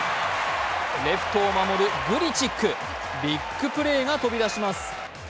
レフトを守るグリチック、ビッグプレーが飛び出します。